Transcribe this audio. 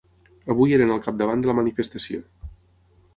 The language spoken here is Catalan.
Avui eren al capdavant de la manifestació.